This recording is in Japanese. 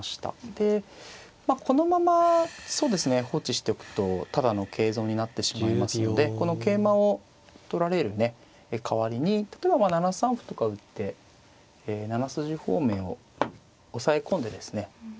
でこのまま放置しておくとただの桂損になってしまいますのでこの桂馬を取られるね代わりに例えば７三歩とか打って７筋方面を押さえ込んでですね。